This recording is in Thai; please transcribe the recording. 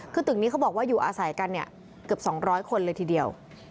คือตึกนี้เขาบอกว่าอยู่อาศัยกันเนี่ยเกือบ๒๐๐คนเลยทีเดียว